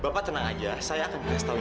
bapak tenang aja